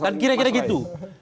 dan kira kira gitu